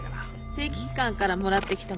正規機関からもらってきたものよ。